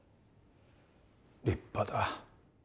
立派だ。